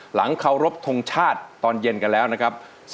หลังเคารพทงชาติตอนเย็นกันแล้วนะครับ